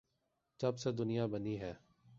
جب سے دنیا بنی ہے۔